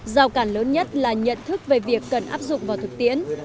giao cản lớn nhất là nhận thức về việc cần áp dụng vào thực tiễn